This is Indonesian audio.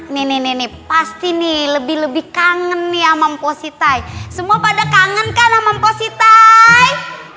nih nih pasti nih lebih lebih kangen ya mampu sitai semua pada kangen kan mampu sitai